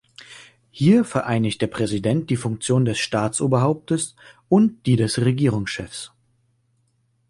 Hier vereinigt der Präsident die Funktion des Staatsoberhaupts und die des Regierungschefs.